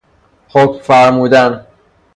حکم فرمودن